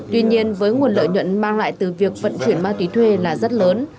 tuy nhiên với nguồn lợi nhuận mang lại từ việc vận chuyển ma túy thuê là rất lớn